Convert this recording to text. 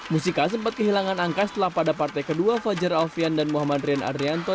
musica sempat kehilangan angka setelah pada partai kedua fajar alfian dan muhammad rian adrianto